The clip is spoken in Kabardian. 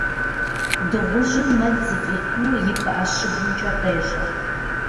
Дыгъужьым мэл зыфӏихьынур и пыӏэ щыгумкӏэ къещӏэ.